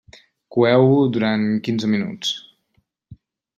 Coeu-ho durant quinze minuts.